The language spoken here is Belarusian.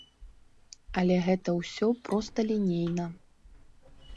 Але гэта ўсё просталінейна.